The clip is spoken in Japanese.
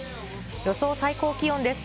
予想最高気温です。